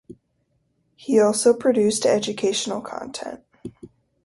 He also produced educational content.